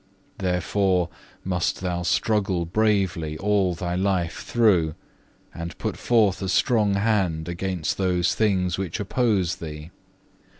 Therefore must thou struggle bravely all thy life through, and put forth a strong hand against those things which oppose thee.